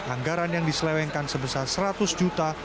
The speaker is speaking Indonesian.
anggaran yang diselewengkan sebesar seratus juta